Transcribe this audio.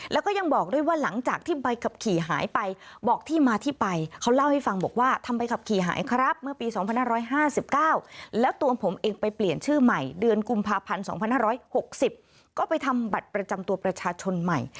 แล้วก็ยังบอกด้วยว่าหลังจากที่ใบขับขี่หายไป